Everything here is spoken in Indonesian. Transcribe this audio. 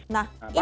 nah ini patauan